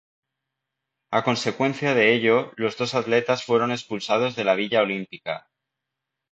A consecuencia de ello, los dos atletas fueron expulsados de la villa olímpica.